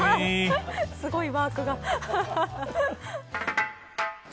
すごいワークが。